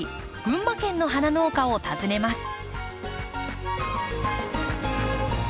群馬県の花農家を訪ねます。